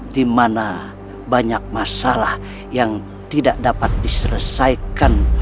dimana banyak masalah yang tidak dapat diselesaikan